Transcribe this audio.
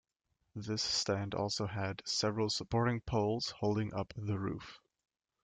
This stand also had several supporting poles holding up the roof.